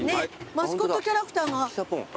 マスコットキャラクターが。